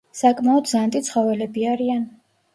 საკმაოდ ზანტი ცხოველები არიან.